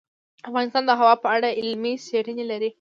افغانستان د هوا په اړه علمي څېړنې لري.